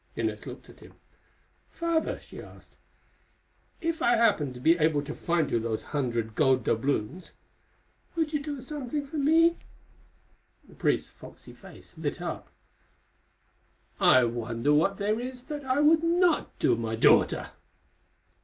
Inez looked at him. "Father," she asked, "if I happen to be able to find you those hundred gold doubloons, would you do something for me?" The priest's foxy face lit up. "I wonder what there is that I would not do, my daughter!"